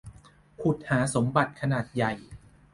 ขุดหาสมบัติขนานใหญ่